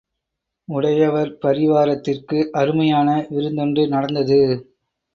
உடையவர் பரிவாரத்திற்கு அருமையான விருந்தொன்று நடந்தது.